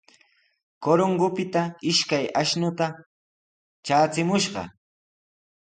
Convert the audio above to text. Corongopita ishkay ashnuta traachimushqa.